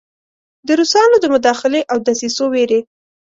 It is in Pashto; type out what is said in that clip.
د روسانو د مداخلې او دسیسو ویرې.